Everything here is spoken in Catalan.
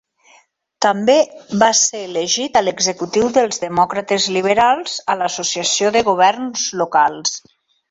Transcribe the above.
També va ser elegit a l'executiu dels Demòcrates Liberals a l'Associació de Governs Locals.